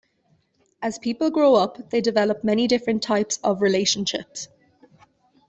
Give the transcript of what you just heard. As people grow up, they develop many different types of relationships.